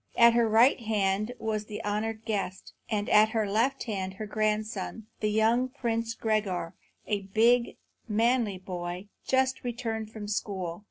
At her right hand was the honoured guest, and at her left hand her grandson, the young Prince Gregor, a big, manly boy, just returned from school.